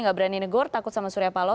enggak berani negur takut sama surya paloh